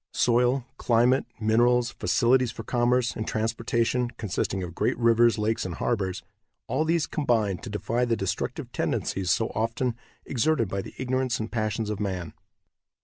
Soil, climate, minerals, facilities for commerce and transportation, consisting of great rivers, lakes and harbors, all these combine to defy the destructive tendencies so often exerted by the ignorance and passions of man.